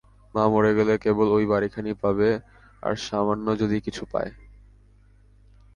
মা মরে গেলে কেবল ঐ বাড়িখানি পাবে, আর সামান্য যদি কিছু পায়।